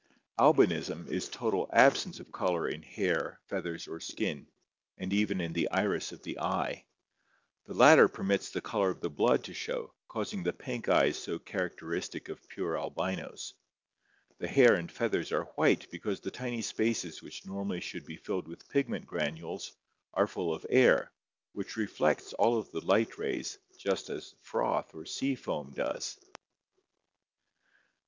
Albinism is total absence of color in hair, feathers, or skin, and even in the iris of the eye. The latter permits the color of the blood to show, causing the pink eyes so characteristic of pure al binos. The hair and feathers are white because the tiny spaces which normally should be filled with pigment granules are full of air, which reflects all of the light rays just as froth or sea foam does.